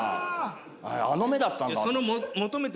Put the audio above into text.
あの目だったんだって。